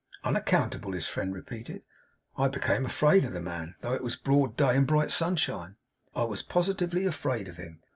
'Unaccountable?' his friend repeated. 'I became afraid of the man. Though it was broad day, and bright sunshine, I was positively afraid of him.